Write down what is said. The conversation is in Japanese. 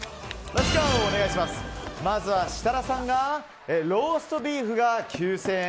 まずは設楽さんがローストビーフ９０００円。